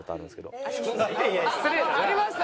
ありました。